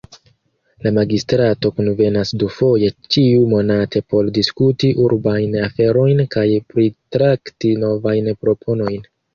La Magistrato kunvenas dufoje ĉiu-monate por diskuti urbajn aferojn kaj pritrakti novajn proponojn.